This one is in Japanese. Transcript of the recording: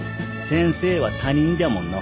先生は他人じゃもんの。